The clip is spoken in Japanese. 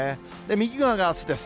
右側があすです。